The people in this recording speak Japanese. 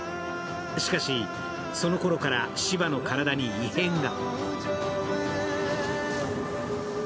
しかし、そのころからシヴァの体に異変が。